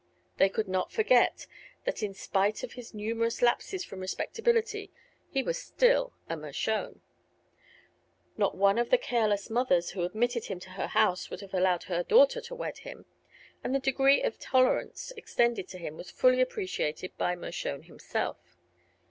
They could not forget that in spite of his numerous lapses from respectability he was still a Mershone. Not one of the careless mothers who admitted him to her house would have allowed her daughter to wed him, and the degree of tolerance extended to him was fully appreciated by Mershone himself.